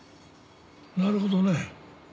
なるほどね。